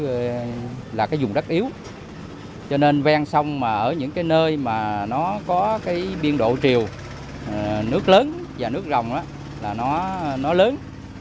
đất cà mau là dùng đất yếu cho nên ven sông ở những nơi có biên độ triều nước lớn và nước rồng là nó lớn